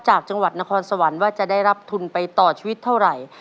จากจังหวัดนครสวรรค์ว่าจะได้รับทุนไปต่อชีวิตเท่าไหร่